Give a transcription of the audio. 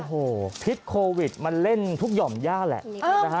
โอ้โหพิษโควิดมันเล่นทุกห่อมย่าแหละนะฮะ